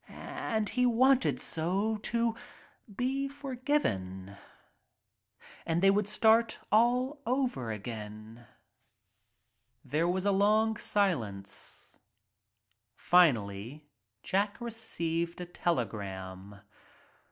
And he wanted so to be forgiven — and they would start all over again. 56 * A BATTLE ROYAL There was a long silence; finally Jack received a telegram.